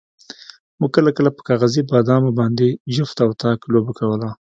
موږ کله کله په کاغذي بادامو باندې جفت او طاق لوبه کوله.